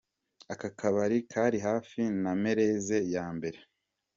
Aka kabari kari hafi na Merez ya mbere.